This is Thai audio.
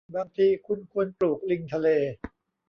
บางทีคุณควรปลูกลิงทะเล